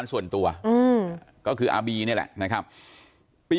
ลองฟังเสียงช่วงนี้ดูค่ะ